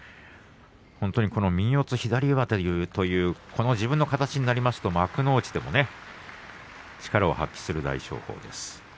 本当に右四つ左上手というこの自分の形になりますと幕内でも力を発揮する大翔鵬です。